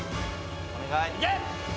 お願い。